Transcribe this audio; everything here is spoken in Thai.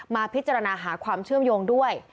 มาพิจารณาหาความเชื่อมโยงด้วย